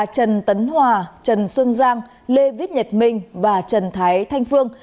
trần tấn hòa trần xuân giang lê viết nhật minh và trần thái thanh phương